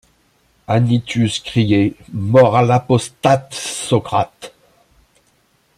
Anitus criait: Mort à l’apostat Socrate!